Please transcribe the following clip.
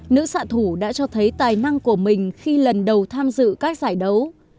nữ xạ thủ đã cho thấy tài năng của mình khi lần đầu tham dự các giải đấu